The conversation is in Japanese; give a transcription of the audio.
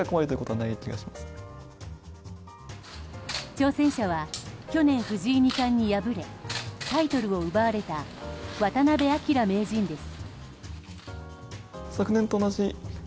挑戦者は去年、藤井二冠に敗れタイトルを奪われた渡辺明名人です。